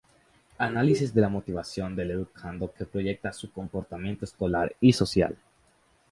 Análisis de la motivación del educando que proyecta su comportamiento escolar y social.